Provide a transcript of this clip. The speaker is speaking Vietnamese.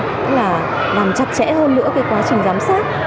tức là làm chặt chẽ hơn nữa cái quá trình giám sát